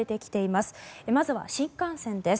まずは新幹線です。